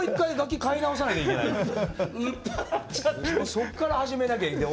そっから始めなきゃいけない。